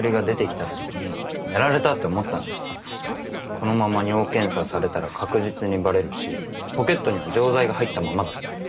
このまま尿検査されたら確実にバレるしポケットには錠剤が入ったままだった。